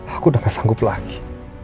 aku udah gak sanggup lagi